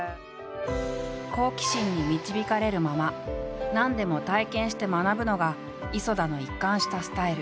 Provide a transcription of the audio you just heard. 好奇心に導かれるまま何でも体験して学ぶのが磯田の一貫したスタイル。